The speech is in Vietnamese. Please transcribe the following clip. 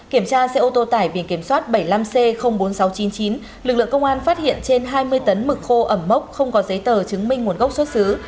kiểm tra xe ô tô tải biển kiểm soát bảy mươi năm c bốn nghìn sáu trăm chín mươi chín lực lượng công an phát hiện trên hai mươi tấn mực khô ẩm mốc không có giấy tờ chứng minh nguồn gốc xuất xứ